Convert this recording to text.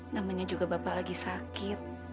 namanya juga bapak lagi sakit